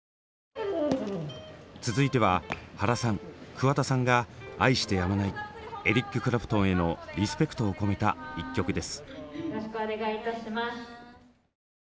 続いては原さん桑田さんが愛してやまないエリック・クラプトンへのリスペクトを込めた一曲です。